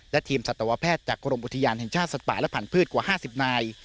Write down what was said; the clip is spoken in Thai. และทีมสัตวแพทย์จากกรมอุทยานแห่งชาติสัตว์ป่าและผันพืชกว่า๕๐นาย